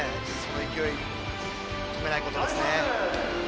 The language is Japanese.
勢いを止めないことですね。